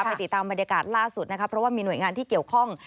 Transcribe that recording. ติดตามบรรยากาศล่าสุดนะคะเพราะว่ามีหน่วยงานที่เกี่ยวข้อง